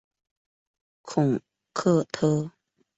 孔科特。